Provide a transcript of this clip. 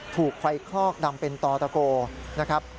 ถูกไฟคลอกดำเป็นต่อตะโกนะครับ